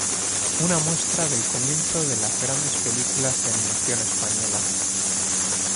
Una muestra del comienzo de las grandes películas de animación española.